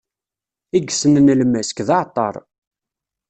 I yessnen lmesk, d aɛeṭṭaṛ.